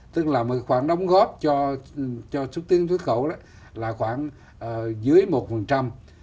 tức là một khoản đóng góp cho xuất tiến xuất khẩu đó là khoảng dưới một phần trăm